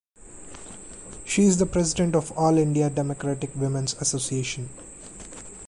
She is the President of the All India Democratic Women's Association.